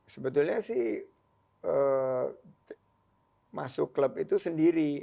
sebetulnya sih masuk klub itu sendiri